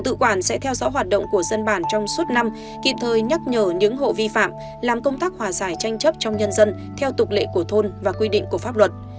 tự quản sẽ theo dõi hoạt động của dân bản trong suốt năm kịp thời nhắc nhở những hộ vi phạm làm công tác hòa giải tranh chấp trong nhân dân theo tục lệ của thôn và quy định của pháp luật